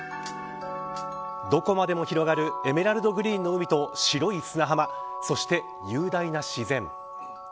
どこまでも広がるエメラルドグリーンの海と白い砂浜そして雄大な自然。